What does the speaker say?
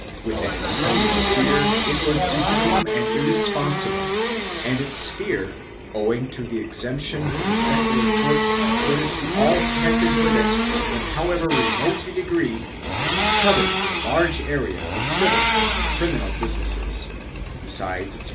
Within its own sphere it was supreme and irresponsible and its sphere, owing to the exemption from the secular courts accorded to all connected with it in however remote a degree, covered a large area of civil and criminal business, besides its.